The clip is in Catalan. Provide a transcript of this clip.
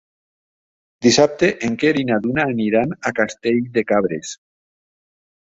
Dissabte en Quer i na Duna aniran a Castell de Cabres.